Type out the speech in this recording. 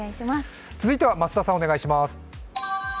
続いては増田さんお願いします。